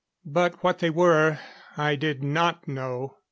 But what they were, I did not know.